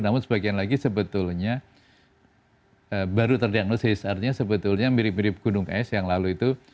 namun sebagian lagi sebetulnya baru terdiagnosis artinya sebetulnya mirip mirip gunung es yang lalu itu